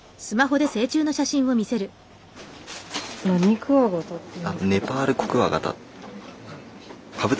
何クワガタっていう？